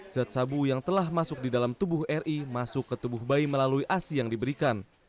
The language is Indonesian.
zat sabu yang telah masuk di dalam tubuh ri masuk ke tubuh bayi melalui asi yang diberikan